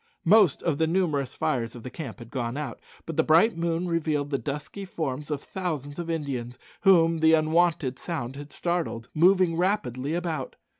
Most of the numerous fires of the camp had gone out, but the bright moon revealed the dusky forms of thousands of Indians, whom the unwonted sound had startled, moving rapidly about.